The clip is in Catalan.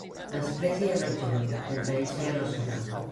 Després hi he anat jo, mentre ells feien el sopar.